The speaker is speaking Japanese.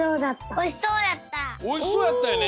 おいしそうやったよね！